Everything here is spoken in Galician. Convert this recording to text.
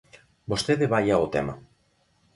Vostede vaia ao tema.